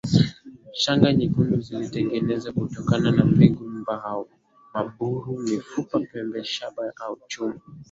Shanga nyekundu zilitengenezwa kutokana na mbegu mbao maburu mifupa pembe shaba au chuma